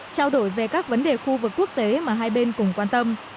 trao đổi về các vấn đề khu vực quốc tế mà hai bên cùng quan tâm